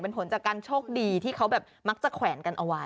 เป็นผลจากการโชคดีที่เขาแบบมักจะแขวนกันเอาไว้